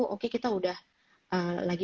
oke kita udah lagi